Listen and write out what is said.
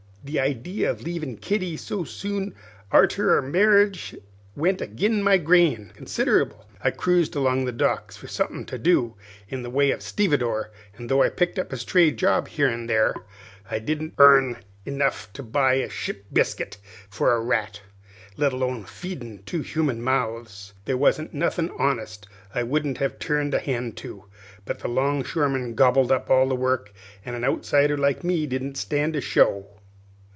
"The idee of leavin' Kitty so soon arter our marriage went agin my grain considerable. I cruised along the docks for somethin' to do in the way of stevedore: an' though I picked up a stray job here and there, I didn't arn enough to buy ship bisket for a rat; let alone feedin' two human mouths. There wasn't nothin' honest I wouldn't have turned a hand to; but the 'longshoremen gobbled up all the work, an' a outsider like me didn't stand a show.